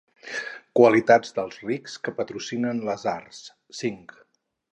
Qualitats dels rics que patrocinen les arts. cinc.